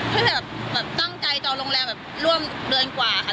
พี่เฮียตั้งใจจอโรงแรมร่วมเดือนกว่าค่ะ